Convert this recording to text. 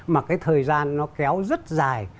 mà cái thời gian nó kéo rất dài